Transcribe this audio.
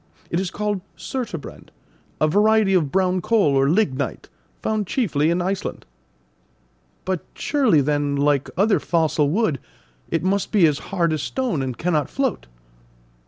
It is called surturbrand, a variety of brown coal or lignite, found chiefly in Iceland." "But surely, then, like other fossil wood, it must be as hard as stone, and cannot float?"